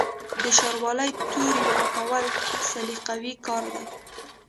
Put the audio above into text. د شاروالۍ تورې پاکول سلیقوي کار دی.